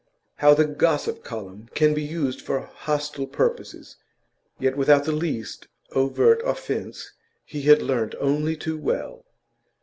How the gossip column can be used for hostile purposes, yet without the least overt offence, he had learnt only too well.